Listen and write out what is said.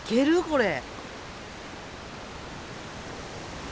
これ。